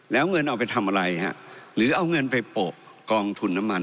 แล้วเงินเอาไปทำอะไรฮะหรือเอาเงินไปโปะกองทุนน้ำมัน